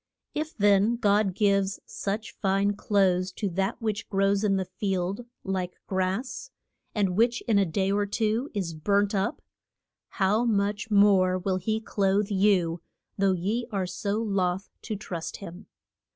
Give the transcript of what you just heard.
If then God gives such fine clothes to that which grows in the field like grass, and which in a day or two is burnt up, how much more will he clothe you, though ye are so loth to trust him.